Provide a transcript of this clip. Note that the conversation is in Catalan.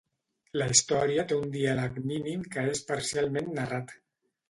La història té un diàleg mínim que és parcialment narrat.